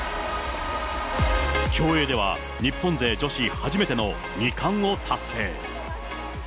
競泳では日本勢女子初めての２冠を達成。